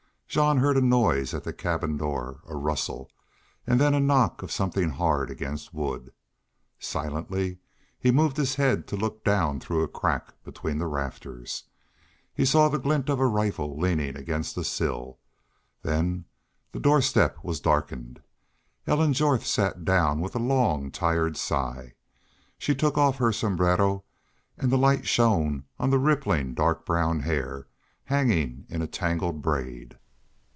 Jean heard a noise at the cabin door, a rustle, and then a knock of something hard against wood. Silently he moved his head to look down through a crack between the rafters. He saw the glint of a rifle leaning against the sill. Then the doorstep was darkened. Ellen Jorth sat down with a long, tired sigh. She took off her sombrero and the light shone on the rippling, dark brown hair, hanging in a tangled braid.